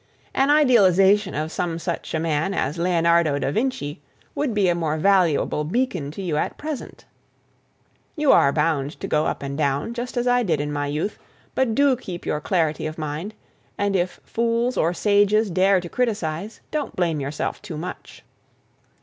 An idealization of some such a man as Leonardo da Vinci would be a more valuable beacon to you at present. You are bound to go up and down, just as I did in my youth, but do keep your clarity of mind, and if fools or sages dare to criticise don't blame yourself too much.